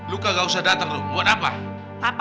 lu gak usah dateng rom buat apa